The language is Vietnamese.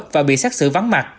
và bị xác xử vắng mặt